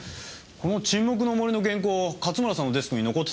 この『沈黙の森』の原稿勝村さんのデスクに残ってたんですけど。